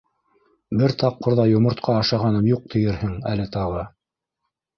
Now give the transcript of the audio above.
Бер тапҡыр ҙа йомортҡа ашағаным юҡ тиерһең әле тағы.